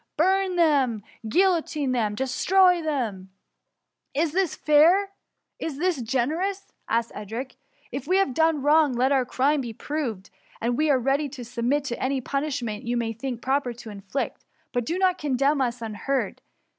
burn them ! guilloCine them ! destroy them r *' Is this fair? is this generous?^ asked Edric. ^^ If we have done wroi^, let our crime be proved, and we are ready to submit to any punishment you may think proper to inflict; but do not condemn us unheard.